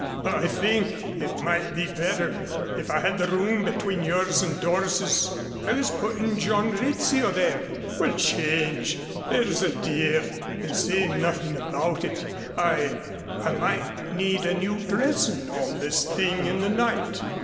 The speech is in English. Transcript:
But I think it might be better if I had the room between yours and Doris's." "I was putting John Rizzio there." "Well, change there's a dear. And say nothing about it. I I might need a new dressing on this thing in the night."